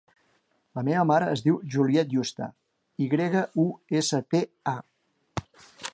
La meva mare es diu Juliette Yusta: i grega, u, essa, te, a.